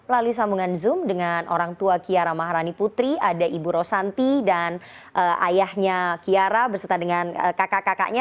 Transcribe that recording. lalu sambungan zoom dengan orang tua kiara maharani putri ada ibu rosanti dan ayahnya kiara berserta dengan kakak kakaknya